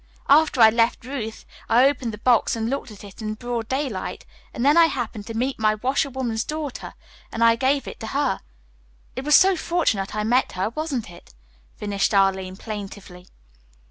After I left Ruth, I opened the box and looked at it in broad daylight, and then I happened to meet my washerwoman's daughter, and I gave it to her. It was so fortunate I met her, wasn't it?" finished Arline plaintively.